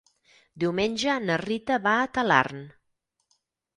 Diumenge na Rita va a Talarn.